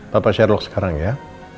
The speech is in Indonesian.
bapak sherlock sekarang ya